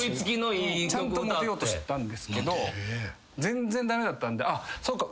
ちゃんとモテようとしたんですけど全然駄目だったんでそっか。